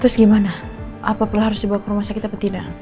terus gimana apabila harus dibawa ke rumah sakit apa tidak